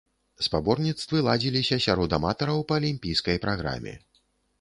Спаборніцтвы ладзіліся сярод аматараў па алімпійскай праграме.